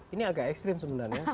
ini agak ekstrim sebenarnya